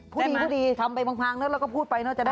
พูดดีทำไปพังแล้วก็พูดไป